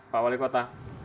pak wali kota